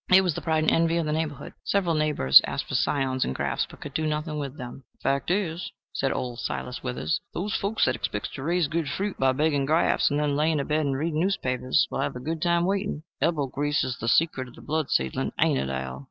It was the pride and envy of the neighborhood. Several neighbors asked for scions and grafts, but could do nothing with them. "Fact is," said old Silas Withers, "those folks that expects to raise good fruit by begging graffs, and then layin' abed and readin' newspapers, will have a good time waitin'. Elbow grease is the secret of the Blood Seedlin', ain't it, Al?"